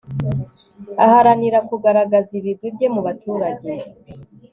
aharanira kugaragaza ibigwi bye mubaturage